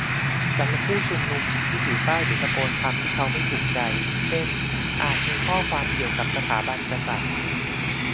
สำหรับผู้ชุมนุมที่ถือป้ายหรือตะโกนคำที่เขาไม่ถูกใจ เช่น อาจมีข้อความเกี่ยวกับสถาบันกษัตริย์